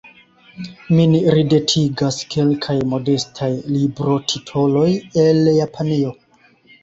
Min ridetigas kelkaj modestaj librotitoloj el Japanio.